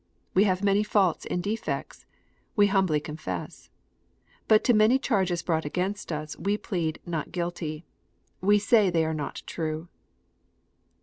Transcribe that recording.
We have many faults and defects, we humbly confess. But to many charges brought against us we plead " ISTot guilty." We say they are not true.